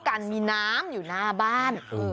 การมีน้ำที่อยู่หน้าบ้าน